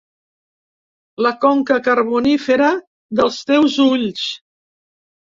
La conca carbonífera dels teus ulls.